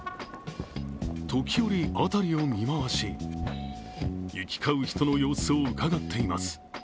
時折辺りを見回し、行き交う人の様子をうかがっています。